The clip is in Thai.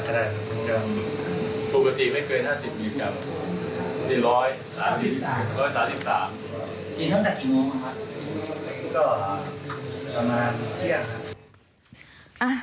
แล้วก็ประมาณเที่ยงครับ